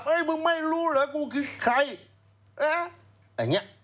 เฮ่ยมึงไม่รู้เหรอกูใครเอ๊ะอย่างนี้